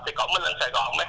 thì cổ mới lên sài gòn mới học